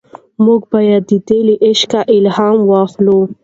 موږ باید د ده له عشقه الهام واخلو.